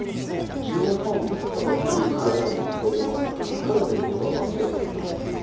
１年半も戦っているウクライナ軍を支えていますので疲れていることは間違いないと思うんです。